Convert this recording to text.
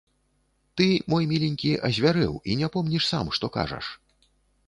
Ты, мой міленькі, азвярэў і не помніш сам, што кажаш.